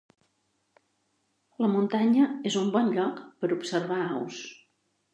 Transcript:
La muntanya és un bon lloc per observar aus.